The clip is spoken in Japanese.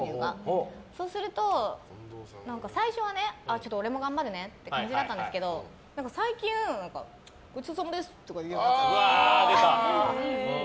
そうすると最初は俺も頑張るねって感じだったんですけど最近、ごちそうさまです！とか言うようになって。